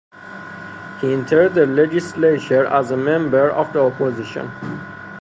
He entered the legislature as a member of the opposition.